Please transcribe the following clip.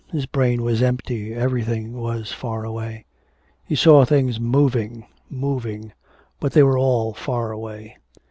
His brain was empty, everything was far away. He saw things moving, moving, but they were all far away.